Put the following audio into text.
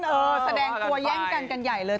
แสดงตัวแย่งกันกันใหญ่เลย